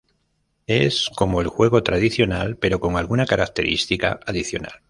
Es como el juego tradicional, pero con alguna característica adicional.